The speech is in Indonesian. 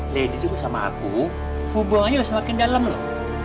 lady juga sama aku hubungannya udah semakin dalam loh